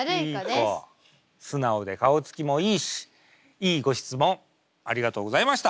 素直で顔つきもいいしいいご質問ありがとうございました。